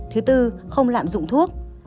thứ tư không lạm dụng thuốc